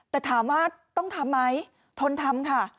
แต่ถามว่าต้องทำไหมทนทำค่ะ